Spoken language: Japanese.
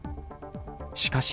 しかし、